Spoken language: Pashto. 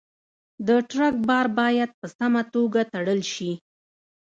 د ټرک بار باید په سمه توګه تړل شي.